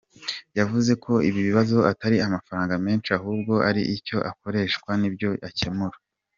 Yavuze ko ikibazo atari amafaranga menshi ahubwo ari icyo akoreshwa n’ibyo akemura.